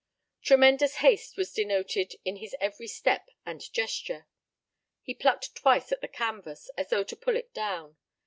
Tremendous haste was denoted in his every step and gesture. He plucked twice at the canvas, as though to pull it down.